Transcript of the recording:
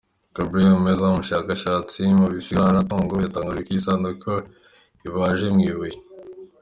Gabriel Mazor, umushakashatsi mu bisigaratongo, yatangaje ko iyi sanduku ibaje mu ibuye.